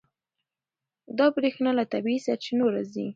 دا برېښنا له طبیعي سرچینو راځي.